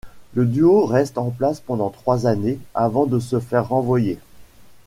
Le duo reste en place pendant trois années avant de se faire renvoyer.